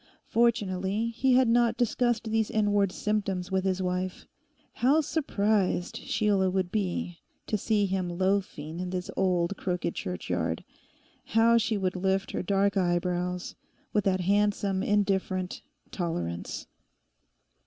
Fortunately he had not discussed these inward symptoms with his wife. How surprised Sheila would be to see him loafing in this old, crooked churchyard. How she would lift her dark eyebrows, with that handsome, indifferent tolerance.